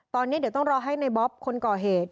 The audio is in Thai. ตอนนี้เดี๋ยวต้องรอให้ในบ๊อบคนก่อเหตุ